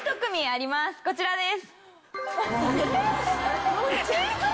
こちらです。